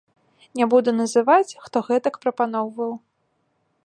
Не буду называць, хто гэтак прапаноўваў.